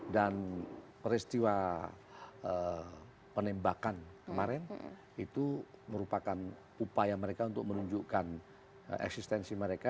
dan peristiwa penembakan kemarin itu merupakan upaya mereka untuk menunjukkan eksistensi mereka